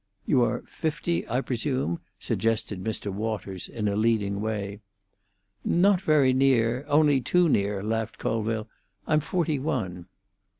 "You are fifty, I presume?" suggested Mr. Waters, in a leading way. "Not very near—only too near," laughed Colville. "I'm forty one."